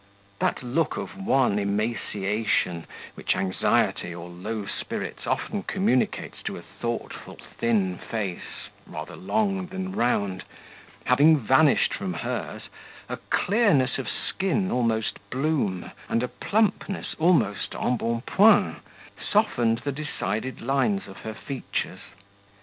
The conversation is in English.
That look of wan emaciation which anxiety or low spirits often communicates to a thoughtful, thin face, rather long than round, having vanished from hers, a clearness of skin almost bloom, and a plumpness almost embonpoint, softened the decided lines of her features.